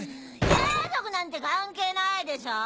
家族なんて関係ないでしょ！